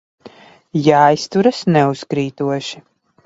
Jāizturas neuzkrītoši.